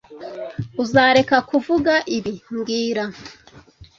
Uzareka kuvuga ibi mbwira